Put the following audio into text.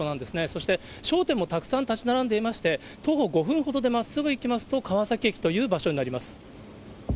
そして、商店もたくさん建ち並んでいまして、徒歩５分ほどでまっすぐ行きますと、川崎駅という場所になります。